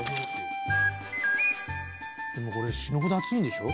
でもこれ死ぬほど暑いんでしょ？